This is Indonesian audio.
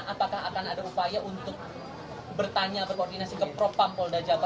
apakah akan ada upaya untuk bertanya berkoordinasi ke propam polda jabar